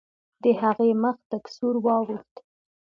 د هغې مخ تک سور واوښت.